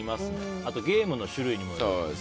あとゲームの種類にもよります。